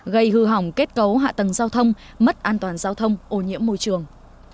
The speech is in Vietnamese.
gây hư hỏng kết cấu hạ tầng giao thông mất an toàn giao thông ô nhiễm môi trường